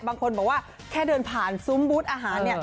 บางคนบอกว่าแค่เดินผ่านซุ้มบูธอาหารเนี่ย